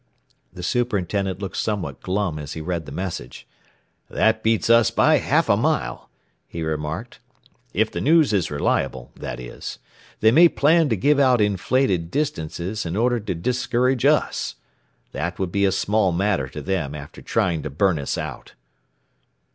The superintendent looked somewhat glum as he read the message. "That beats us by half a mile," he remarked. "If the news is reliable, that is. They may plan to give out inflated distances, in order to discourage us. That would be a small matter to them, after trying to burn us out."